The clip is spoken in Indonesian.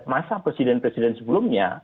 masa presiden presiden sebelumnya